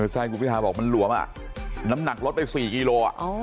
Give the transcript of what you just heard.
ใช่คุณพิทาบอกมันหลวมน้ำหนักลดไป๔กิโล